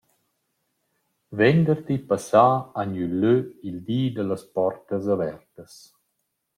Venderdi passà ha gnü lö il di da las portas avertas.